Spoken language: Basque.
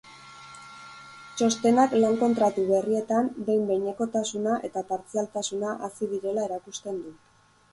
Txostenak lan-kontratu berrietan behin-behinekotasuna eta partzialtasuna hazi direla erakusten du.